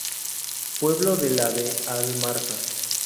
Pueblo de la de Almarza.